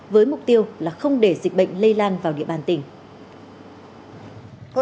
với mục tiêu là không để dịch bệnh lây lan vào địa bàn tỉnh